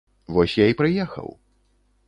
Вось я й прыехаў.